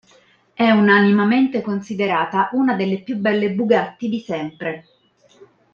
È unanimemente considerata una delle più belle Bugatti di sempre.